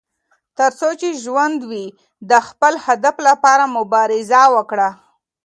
تر څو چې ژوند وي، د خپل هدف لپاره مبارزه وکړه.